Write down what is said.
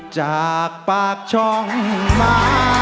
จากปากช่องมา